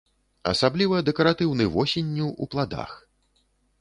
Асабліва дэкаратыўны восенню, у пладах.